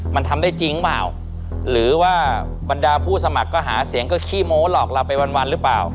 มันทำได้จริงเปล่าหรือว่าบรรดาผู้สมัครก็หาเสียงก็ขี้โม้หลอกเราไปวันหรือเปล่า